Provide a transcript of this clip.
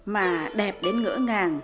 mà đẹp đến ngỡ ngàng